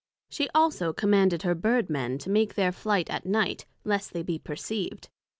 she also commanded her Bird men to make their flight at night, lest they be perceived.